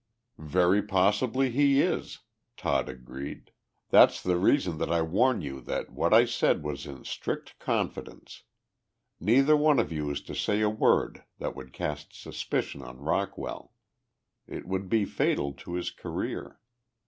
"Very possibly he is," Todd agreed. "That's the reason that I warn you that what I said was in strict confidence. Neither one of you is to say a word that would cast suspicion on Rockwell. It would be fatal to his career.